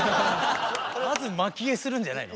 まずまき餌するんじゃないの？